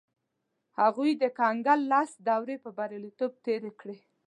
هغوی د کنګل لس دورې په بریالیتوب تېرې کړې.